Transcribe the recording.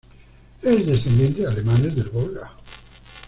Es descendiente de alemanes del Volga.